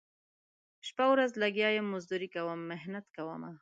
شپه ورځ لګیا یم مزدوري کوم محنت کومه